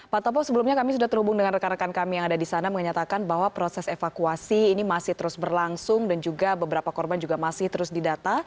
pak topo sebelumnya kami sudah terhubung dengan rekan rekan kami yang ada di sana menyatakan bahwa proses evakuasi ini masih terus berlangsung dan juga beberapa korban juga masih terus didata